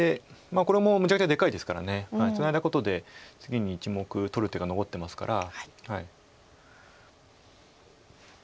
これもめちゃくちゃでかいですからツナいだことで次に１目取る手が残ってますから。